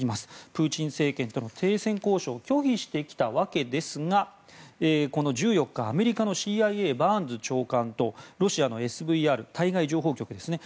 プーチン政権との停戦交渉を拒否してきたわけですがこの１４日、アメリカのＣＩＡバーンズ長官とロシアのＳＶＲ対外情報局ですね。